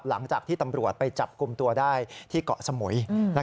หลังจากที่ตำรวจไปจับกลุ่มตัวได้ที่เกาะสมุย